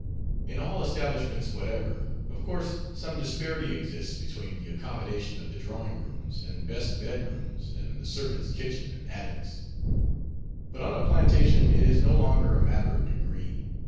In all establishments whatever, of course some disparity exists between the accommodation of the drawing rooms and best bed rooms and the servants' kitchen and attics; but on a plantation it is no longer a matter of degree.